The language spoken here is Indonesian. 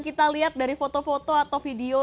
kita lihat dari foto foto atau video